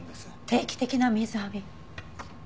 定期的な水浴び。